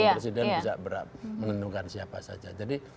presiden bisa menentukan siapa saja